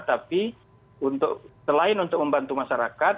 tapi selain untuk membantu masyarakat